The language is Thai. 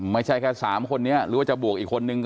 ไม่ใช่แค่๓คนนี้หรือว่าจะบวกอีกคนนึง